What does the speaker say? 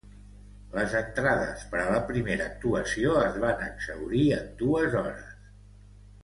Les entrades per a la primera actuació es van exhaurir en dues hores.